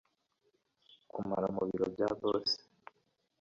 kumara mubiro bya boss